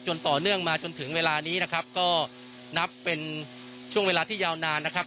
ต่อเนื่องมาจนถึงเวลานี้นะครับก็นับเป็นช่วงเวลาที่ยาวนานนะครับ